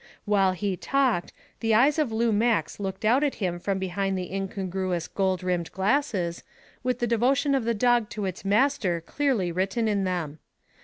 While he talked, the eyes of Lou Max looked out at him from behind the incongruous gold rimmed glasses, with the devotion of the dog to its master clearly written in them.